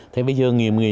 thế bây giờ